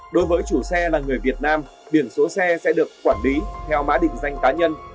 đối với chủ xe là người việt nam biển số xe sẽ được quản lý theo mã định danh cá nhân